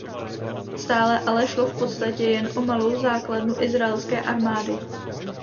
Stále ale šlo v podstatě jen o malou základnu izraelské armády.